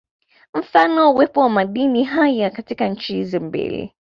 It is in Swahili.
Mfano uwepo wa madini haya katika nchi hizi mbili